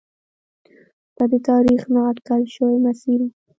دا د تاریخ نا اټکل شوی مسیر و.